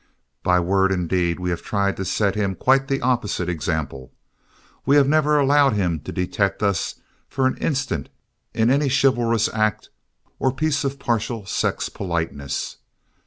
By word and deed we have tried to set him quite the opposite example. We have never allowed him to detect us for an instant in any chivalrous act or piece of partial sex politeness.